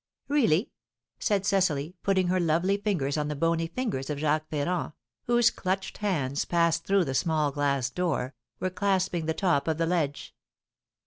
"Really?" said Cecily, putting her lovely fingers on the bony fingers of Jacques Ferrand, whose clutched hands, passed through the small glass door, were clasping the top of the ledge.